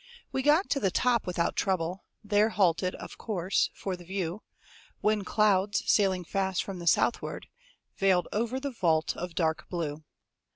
We got to the top without trouble; There halted, of course, for the view; When clouds, sailing fast from the southward, Veiled over the vault of dark blue.